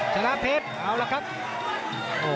ชนะเพชรเอาแล้วคัต